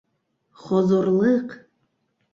Хозурлыҡ.